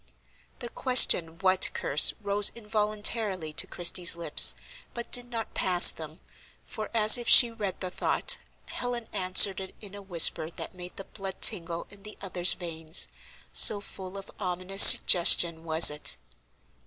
The question, "What curse?" rose involuntarily to Christie's lips, but did not pass them, for, as if she read the thought, Helen answered it in a whisper that made the blood tingle in the other's veins, so full of ominous suggestion was it.